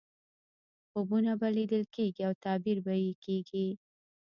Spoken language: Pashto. خوبونه به لیدل کېږي او تعبیر به یې کېږي.